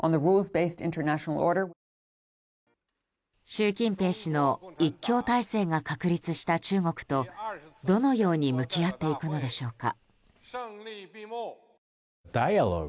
習近平氏の一強体制が確立した中国とどのように向き合っていくのでしょうか。